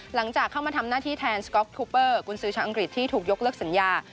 หลังจากเข้ามาทำหน้าที่แทนสก๊อกทูเปอร์กุญสือชาวอังกฤษที่ถูกยกเลิกสัญญา